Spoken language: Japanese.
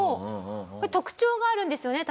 特徴があるんですよね？